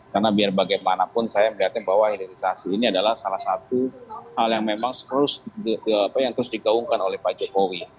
karena biar bagaimanapun saya melihatnya bahwa hilirisasi ini adalah salah satu hal yang memang terus digaungkan oleh pak jokowi